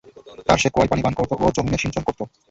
তারা সে কুয়ায় পানি পান করত ও যমীনে সিঞ্চন করত।